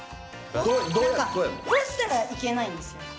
こうやったらいけないんですよ。